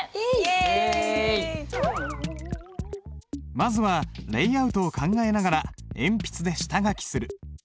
まずはレイアウトを考えながら鉛筆で下書きする。